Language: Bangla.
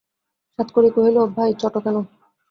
সাতকড়ি কহিল, ভাই, চট কেন?